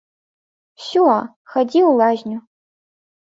Усё, хадзі ў лазню.